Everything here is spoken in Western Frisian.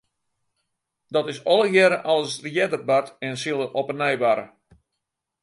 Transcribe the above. Dat is allegearre al ris earder bard en it sil op 'e nij barre.